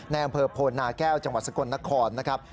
ในอำเภอโพนาแก้วจังหวัดสกลนครนะครับ